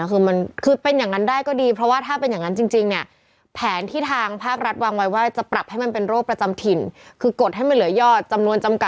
คุมเอาไว้เนี่ยถึง๑กรกฎาคมก็อาจจะเกิดขึ้นได้จริง